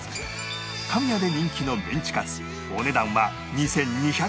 香味屋で人気のメンチカツお値段は２２００円